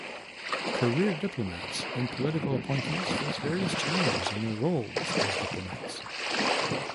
Career diplomats and political appointees face various challenges in their roles as diplomats.